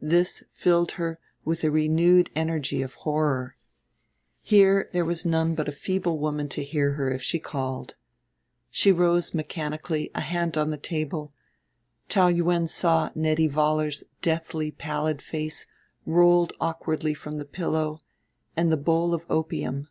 This filled her with a renewed energy of horror.... Here there was none but a feeble woman to hear her if she called. She rose mechanically, a hand on the table; Taou Yuen saw Nettie Vollar's deathly pallid face rolled awkwardly from the pillow, and the bowl of opium.